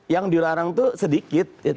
yang dilarang itu sedikit